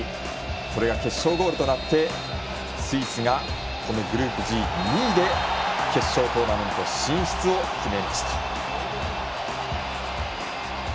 これが決勝ゴールとなってスイスがこのグループＧ２位で決勝トーナメント進出を決めました。